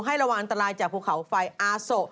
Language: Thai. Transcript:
ระวังอันตรายจากภูเขาไฟอาโส